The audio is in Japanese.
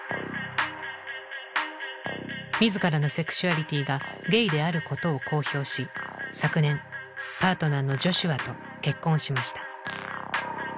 自らのセクシュアリティーがゲイであることを公表し昨年パートナーのジョシュアと結婚しました。